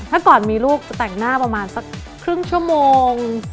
ถ้าก่อนมีลูกจะแต่งหน้าประมาณสักครึ่งชั่วโมง